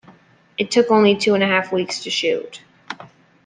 It took only two and a half weeks to shoot.